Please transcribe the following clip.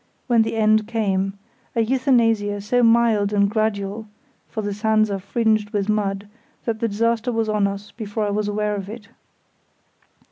when the end came; a euthanasia so mild and gradual (for the sands are fringed with mud) that the disaster was on us before I was aware of it.